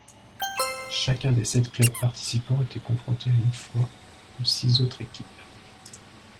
Chacun des sept clubs participant était confronté une fois aux six autres équipes.